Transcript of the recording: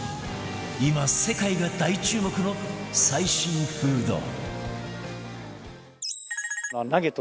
今世界が大注目の最新フード